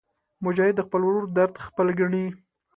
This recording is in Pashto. مجاهد د خپل ورور درد خپل ګڼي.